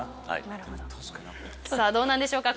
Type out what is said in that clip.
どうなんでしょうか？